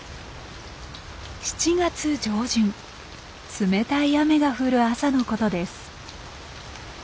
冷たい雨が降る朝のことです。